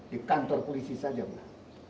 di kantor polisi saja mbak